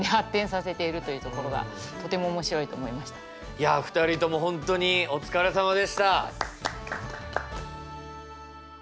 いや２人とも本当にお疲れさまでした。